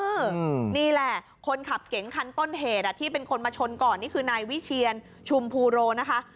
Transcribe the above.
นี่แหละคนขับเก๋งคันต้นเหตุอ่ะที่เป็นคนมาชนก่อนนี่คือนายวิเชียนชุมภูโรนะคะ